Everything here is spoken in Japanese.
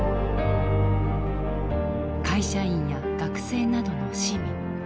会社員や学生などの市民。